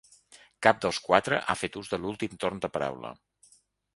Cap dels quatre ha fet ús de l’últim torn de paraula.